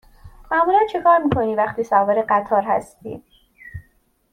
معمولا چکار می کنی وقتی سوار قطار هستی؟